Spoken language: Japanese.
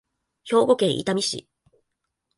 兵庫県伊丹市